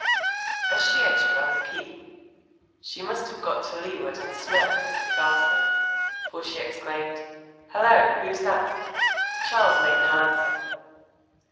As she edged round the keep, she must have got to leeward and smelt his cigar smoke, for she exclaimed, "Hullo! Who's that?" Charles made no answer.